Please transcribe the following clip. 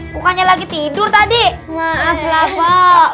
bukannya lagi tidur tadi maaflah pok